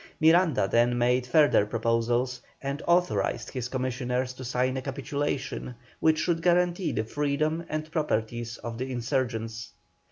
Miranda then made further proposals, and authorised his commissioners to sign a capitulation, which should guarantee the freedom and properties of the insurgents.